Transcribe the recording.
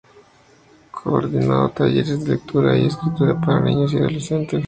Coordinó talleres de lectura y escritura para niños y adolescentes.